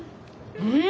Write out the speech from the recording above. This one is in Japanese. うん！